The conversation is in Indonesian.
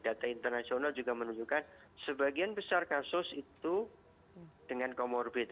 data internasional juga menunjukkan sebagian besar kasus itu dengan comorbid